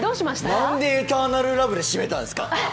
なんで、エターナルラブで締めたんですか？